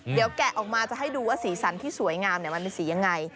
เดี๋ยวแกะออกมาจะให้ดูว่าสีสันที่สวยงามมันเป็นสียังไง